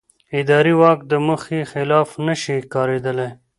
اداري واک د موخې خلاف نه شي کارېدلی.